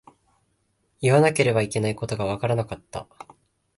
言わなければいけないことがわからなかった。